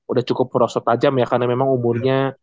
udah cukup merosot tajam ya karena memang umurnya